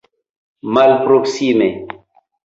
malproksime